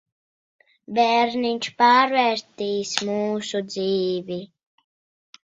Bērniņš pārvērtīs mūsu dzīvi.